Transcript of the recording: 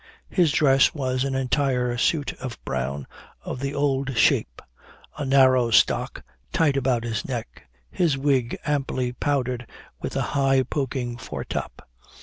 His dress was an entire suit of brown, of the old shape; a narrow stock, tight about his neck; his wig amply powdered, with a high poking foretop.